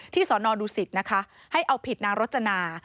ที่สอนอดูสิทธิ์ให้เอาผิดนางรจนา